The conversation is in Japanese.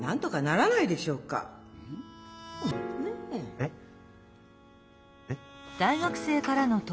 えっ？えっ？